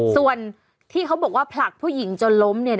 ส่วนที่เขาบอกว่าผลักผู้หญิงจนล้มเนี่ย